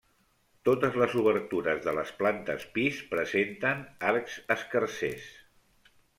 Totes les obertures de les plantes pis presenten arcs escarsers.